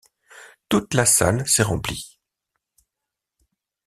toute la salle s'est remplie.